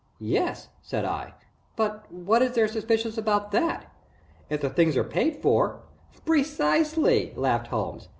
"Yes," said I, "but what is there suspicious about that? If the things are paid for " "Precisely," laughed Holmes.